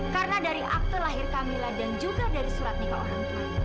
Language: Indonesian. karena dari akte lahir kamila dan juga dari surat nikah orang tua